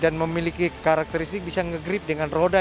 dan memiliki karakteristik bisa ngegrip dengan roda